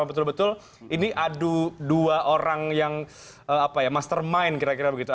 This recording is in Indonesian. betul betul ini adu dua orang yang mastermind kira kira begitu